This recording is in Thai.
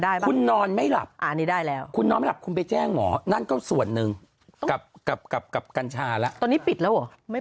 รัฐมนตร์อานุทินออกมาพูดคำว่ากัญชาเสรีคืออะไร